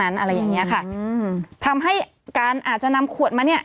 อะไรอย่างเงี้ยค่ะอืมทำให้การอาจจะนำขวดมาเนี้ย